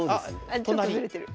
あちょっとずれてる。